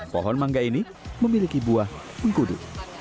pohon mangga ini memiliki buah mengkudu